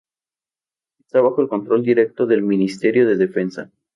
Está bajo el control directo del Ministerio de Defensa.